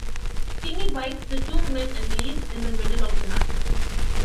Kenny bites the two men and leaves in the middle of the night.